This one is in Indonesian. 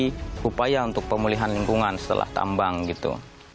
jadi kita harus memiliki upaya untuk pemulihan lingkungan setelah tambang gitu